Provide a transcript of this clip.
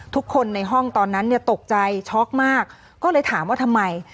ทุกคนในห้องตอนนั้นเนี่ยตกใจช็อกมากก็เลยถามว่าทำไม